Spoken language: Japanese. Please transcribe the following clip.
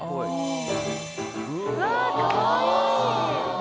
うわかわいい。